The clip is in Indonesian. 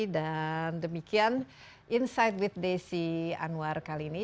dan demikian insight with desi anwar kali ini